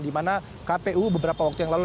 dimana kpu beberapa waktu yang lalu